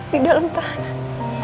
di dalam tahanan